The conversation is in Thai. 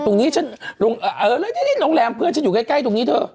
ตรงนี้ฉันนี่โรงแรมเพื่อนฉันอยู่ใกล้ตรงนี้เธอ